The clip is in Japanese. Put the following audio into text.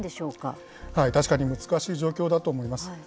確かに難しい状況だと思います。